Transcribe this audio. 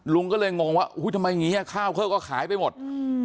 ลุงก็เลยงงว่าอุ้ยทำไมอย่างนี้ข้าวเขาก็ขายไปหมด